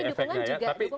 tapi dukungan juga diberikan